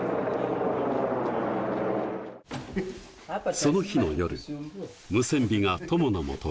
その日の夜、ムセンビが友の元へ。